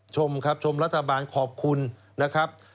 ชมครับชมรัฐบาลขอบคุณนะครับ